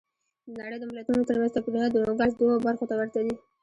د نړۍ د ملتونو ترمنځ توپیرونه د نوګالس دوو برخو ته ورته دي.